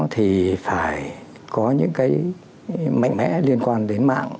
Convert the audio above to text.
thì phải có những cái mạnh mẽ liên quan đến mạng